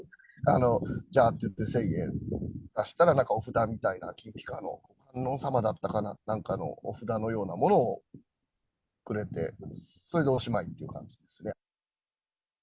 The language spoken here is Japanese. じゃあって言って１０００円出したら、なんかお札みたいな金ぴかの観音様だったかな、なんかのお札のようなものをくれて、それでおしまいっていう感じですね。